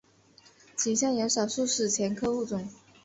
其下有少数史前物种。